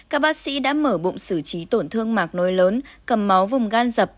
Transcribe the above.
các bác sĩ đã mở bụng xử trí tổn thương mạc nối lớn cầm máu vùng gan dập